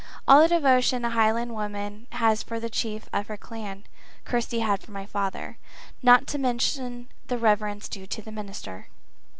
All the devotion a Highland woman has for the chief of her clan, Kirsty had for my father, not to mention the reverence due to the minister.